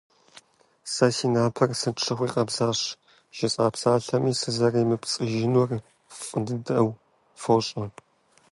Сэ си напэр сыт щыгъуи къабзэщ, жысӀа псалъэми сызэремыпцӀыжынур фӀы дыдэу фощӀэ.